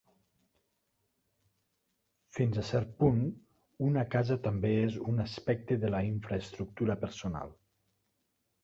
Fins a cert punt, una casa també és un aspecte de la infraestructura personal.